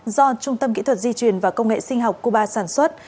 do trung tâm kỹ thuật di truyền và công nghệ sinh học cuba sản xuất